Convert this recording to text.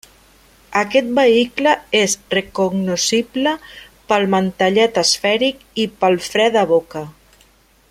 Aquest vehicle és recognoscible pel mantellet esfèric i pel fre de boca.